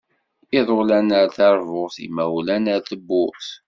Iḍulan ar terbut, imawlan ar tewwurt.